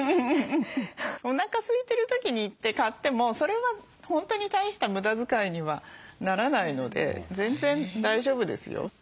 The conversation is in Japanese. おなかすいてる時に行って買ってもそれは本当に大した無駄遣いにはならないので全然大丈夫ですよ。